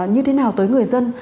như thế nào tới người dân